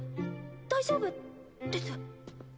大丈夫です。